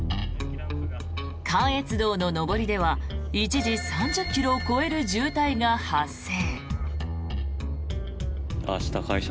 関越道の上りでは一時３０ｋｍを超える渋滞が発生。